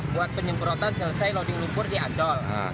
buat penyemprotan selesai loading lumpur di ancol